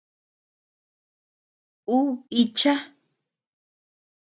Ú bícha.